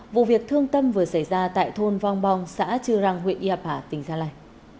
vụ việc thương tâm vừa xảy ra tại thôn vong bong xã chư răng huyện yapa tỉnh gia lai